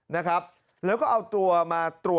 มันตายมาแล้วมันตายมาแล้ว